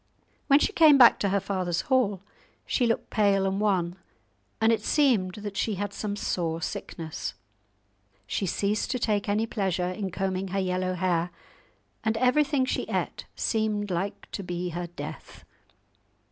When she came back to her father's hall, she looked pale and wan; and it seemed that she had some sore sickness. She ceased to take any pleasure in combing her yellow hair, and everything she ate seemed like to be her death.